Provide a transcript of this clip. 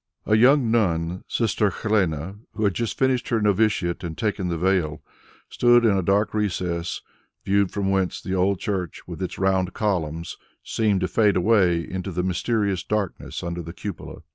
A young nun, Sister Helene, who had just finished her novitiate and taken the veil, stood in a dark recess, viewed from whence, the old church, with its round columns, seemed to fade away into the mysterious darkness under the cupola.